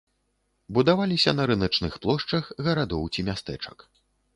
Будаваліся на рыначных плошчах гарадоў ці мястэчак.